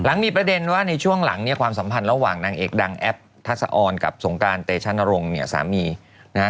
มีประเด็นว่าในช่วงหลังเนี่ยความสัมพันธ์ระหว่างนางเอกดังแอปทัศออนกับสงการเตชะนรงค์เนี่ยสามีนะฮะ